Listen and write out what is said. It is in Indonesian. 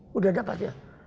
sudah dapat ya